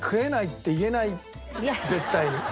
絶対に。